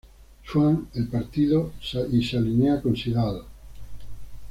Swann el partido y se alinea con Sydal.